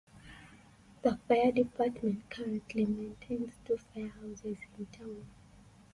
The fire department currently maintains two firehouses in town.